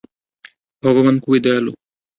ভগবান খুবই দয়ালু।